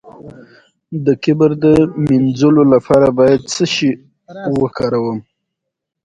د کبر د مینځلو لپاره باید څه شی وکاروم؟